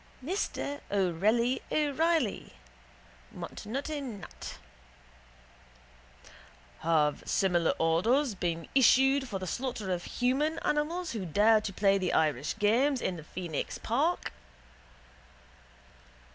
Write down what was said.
Mr Orelli O'Reilly (Montenotte. Nat.): Have similar orders been issued for the slaughter of human animals who dare to play Irish games in the Phoenix park?